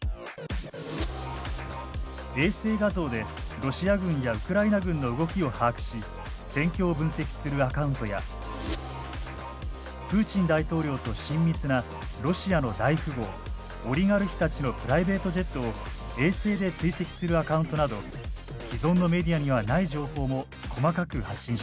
衛星画像でロシア軍やウクライナ軍の動きを把握し戦況を分析するアカウントやプーチン大統領と親密なロシアの大富豪オリガルヒたちのプライベートジェットを衛星で追跡するアカウントなど既存のメディアにはない情報も細かく発信しています。